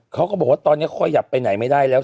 เขาก็บอกว่าตอนนี้ขยับไปไหนไม่ได้แล้ว